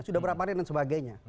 sudah berapa hari dan sebagainya